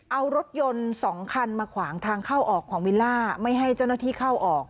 เอารถยนต์สองคันมาขวางทางเข้าออกของวิลล่าไม่ให้เจ้าหน้าที่เข้าออก